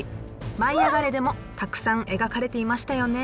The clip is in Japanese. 「舞いあがれ！」でもたくさん描かれていましたよね。